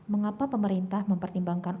mengapa pemerintah mempertimbangkan